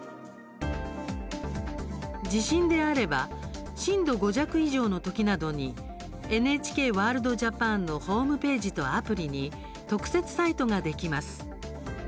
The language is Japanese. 地震であれば震度５弱以上の時などにＮＨＫワールドＪＡＰＡＮのホームページとアプリに特設サイトができます。